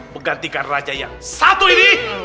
menggantikan raja yang satu ini